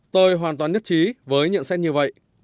tôi hoàn toàn nhất trí với nhận xét như vậy